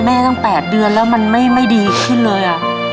พ่อแม่แต่ทำไมแม่ตั้ง๘เดือนแล้วมันไม่ดีขึ้นเลย